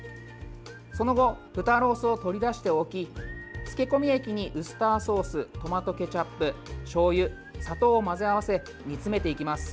その後、豚ロースを取り出しておき漬け込み液にウスターソーストマトケチャップしょうゆ、砂糖を混ぜ合わせ煮詰めていきます。